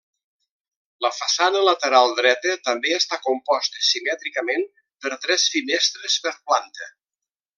La façana lateral dreta també està composta simètricament per tres finestres per planta.